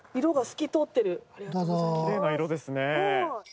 きれいな色ですね。